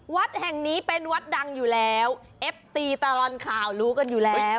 วัดแห่งนี้เป็นวัดดังอยู่แล้วเอฟตีตลอดข่าวรู้กันอยู่แล้ว